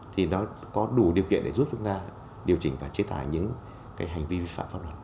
thì nó có đủ điều kiện để giúp chúng ta điều chỉnh và chế tài những hành vi vi phạm pháp luật